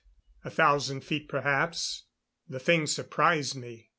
A thousand feet perhaps. The thing surprised me.